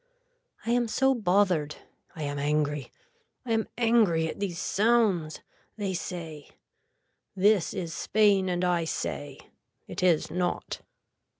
I am so bothered. I am angry. I am angry at these sounds. They say. This is Spain and I say. It is not.